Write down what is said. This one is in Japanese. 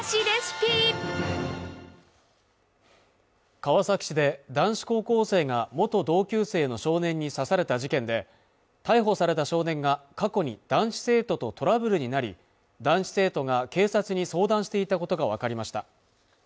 川崎市で男子高校生が元同級生の少年に刺された事件で逮捕された少年が過去に男子生徒とトラブルになり男子生徒が警察に相談していたことが分かりました